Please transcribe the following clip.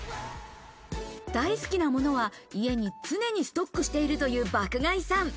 大好きなものは、家に常にストックしているという爆買いさん。